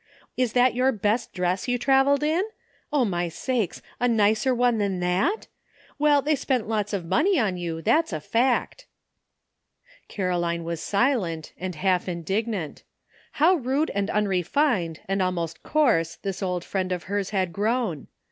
"Is that your best dress you traveled in? O, my sakes ! a nicer one than that ? Well, they spent lots of money on you, that's a fact." Caroline was silent, and half indignant. AT LAST. 873 How rude and unrefined and almost coarse this old friend of hers had grown !